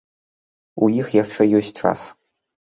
У іх яшчэ ёсць час.